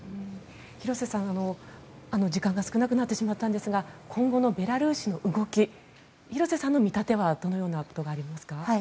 廣瀬さん、時間が少なくなってしまったんですが今後のベラルーシの動き廣瀬さんの見立てはどうですか。